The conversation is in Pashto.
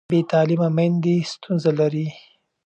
بې تعلیمه میندې ستونزه لري.